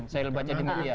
saya baca di media